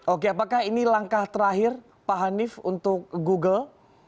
oke apakah ini langkah terakhir pak hanif untuk google